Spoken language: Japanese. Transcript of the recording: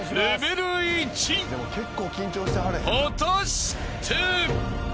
［果たして？］